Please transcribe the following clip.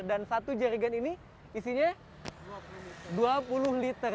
dan satu jerigan ini isinya dua puluh liter